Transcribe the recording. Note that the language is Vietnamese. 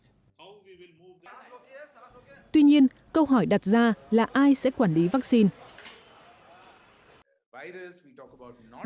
tuy nhiên câu hỏi đặt ra là ai sẽ quản lý vaccine